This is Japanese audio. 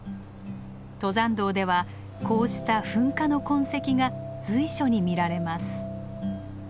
登山道ではこうした噴火の痕跡が随所に見られます。